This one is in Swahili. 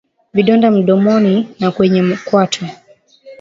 Vidonda midomoni na kwenye kwato